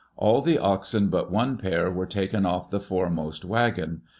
All the oxen but one pair were taken off the foremost wagon.